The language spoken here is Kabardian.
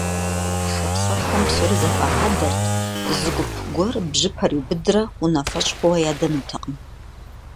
Шапсыгъхэм псори зэхуагъадэрт: зы гуп гуэр бжьыпэр иубыдрэ унафэщӀ хъууэ ядэнутэкъым.